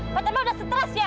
pak tema udah stres ya